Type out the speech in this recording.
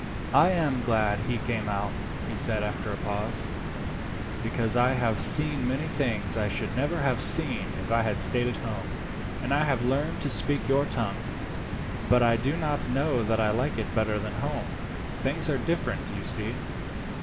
"I am glad he came out," he said after a pause, "because I have seen many things I should never have seen if I had stayed at home, and I have learned to speak your tongue. But I do not know that I like it better than home. Things are different, you see.